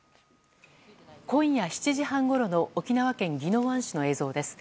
今夜７時半ごろの沖縄県宜野湾市の映像です。